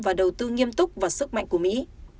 và đầu tư nghiêm túc và sức mạnh của mỹ